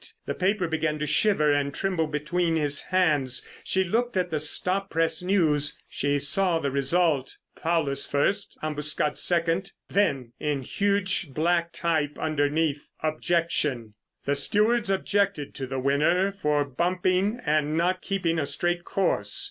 The paper began to shiver and tremble between his hands. She looked at the stop press news. She saw the result: Paulus first, Ambuscade second—then in huge black type underneath: OBJECTION! "The stewards objected to the winner for bumping and not keeping a straight course.